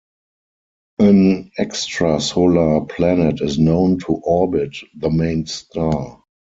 An extrasolar planet is known to orbit the main star.